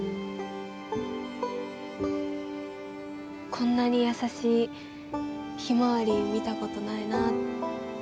こんなに優しいひまわり見たことないな。